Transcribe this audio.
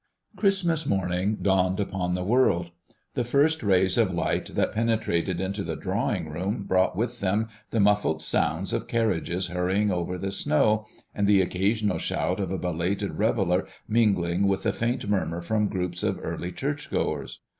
Christmas morning dawned upon the world. The first rays of light that penetrated into the drawing room brought with them the muffled sound of carriages hurrying over the snow, and the occasional shout of a belated reveller mingling with the faint murmur from groups of early church goers.